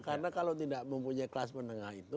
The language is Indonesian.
karena kalau tidak mempunyai kelas menengah itu